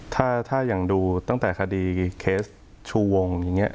ถ้ายังดูตั้งแต่คดีเคสชูวงอย่างนี้